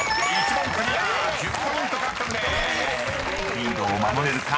［リードを守れるか？